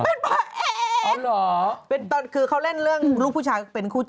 อืมอืมอืมอืมอืมอืมอืมอืม